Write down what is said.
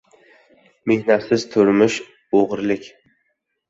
Mehnatsiz turmush — o'g'irlik.